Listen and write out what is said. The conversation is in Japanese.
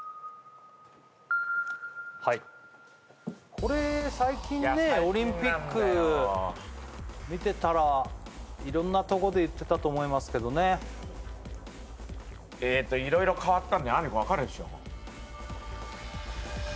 これ最近ねオリンピック見てたら色んなとこで言ってたと思いますけどねえっと色々変わったんだ兄貴分かるでしょ？